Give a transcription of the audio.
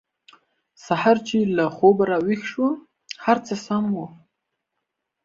سهار چې له خوبه راویښ شوم هر څه سم وو